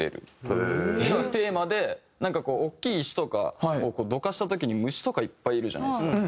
へえー！っていうのがテーマでなんかこう大きい石とかをどかした時に虫とかいっぱいいるじゃないですか。